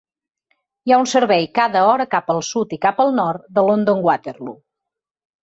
Hi ha un servei cada hora cap al sud i cap al nord de London Waterloo.